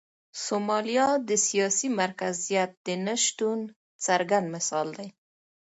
سومالیا د سیاسي مرکزیت د نشتون څرګند مثال دی.